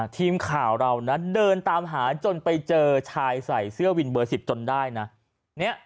ทีมข่าวเรานะเดินตามหาจนไปเจอชายใส่เสื้อวินเบอร์๑๐จนได้นะ